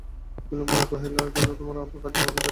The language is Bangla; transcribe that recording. বিল্বন কহিলেন, এখানে তোমার কার্য আমি করিব।